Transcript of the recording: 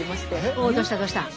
おおどうしたどうした？